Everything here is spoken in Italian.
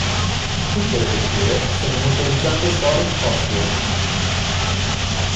Tutte le vetture sono motorizzate Ford Cosworth.